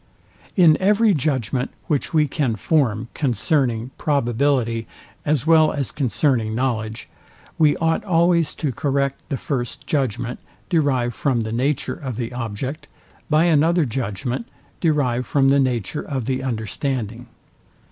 In every judgment, which we can form concerning probability, as well as concerning knowledge, we ought always to correct the first judgment, derived from the nature of the object, by another judgment, derived from the nature of the understanding.